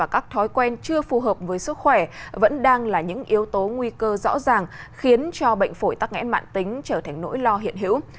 các thói quen chưa phù hợp với sức khỏe vẫn đang là những yếu tố nguy cơ rõ ràng khiến cho bệnh phổi tắc nghẽn mạng tính trở thành nỗi lo hiện hữu